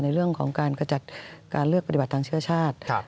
ทำการกระจัดการเลือกปฏิบัติทางเชื้อชาติ